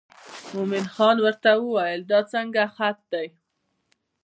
مومن خان ورته وویل دا څنګه خط دی.